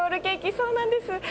そうなんです。